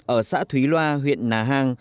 ở xã thúy loa huyện nà hang